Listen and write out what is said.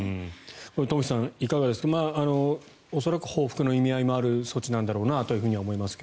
東輝さん、いかがですか恐らく報復の意味合いもある措置なんだろうなとは思いますが。